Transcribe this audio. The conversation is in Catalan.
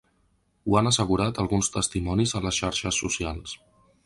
Ho han assegurat alguns testimonis a les xarxes socials.